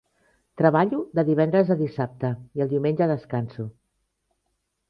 Treballo de divendres a dissabte, i el diumenge descanso.